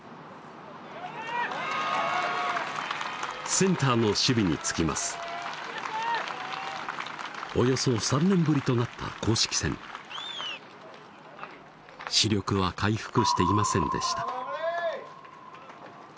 ・センターの守備につきますおよそ３年ぶりとなった公式戦視力は回復していませんでした